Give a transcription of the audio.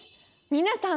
皆さん